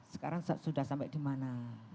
sekarang sudah sampai di mana